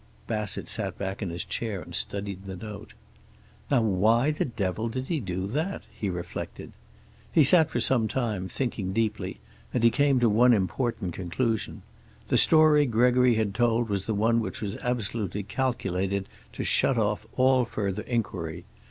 Bassett sat back in his chair and studied the note. "Now why the devil did he do that?" he reflected. He sat for some time, thinking deeply, and he came to one important conclusion. The story Gregory had told was the one which was absolutely calculated to shut off all further inquiry.